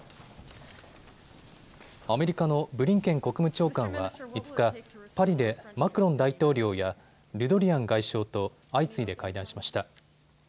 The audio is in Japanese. アメリカのブリンケン国務長官は５日、パリでマクロン大統領やルドリアン外相と相次いで会談しました。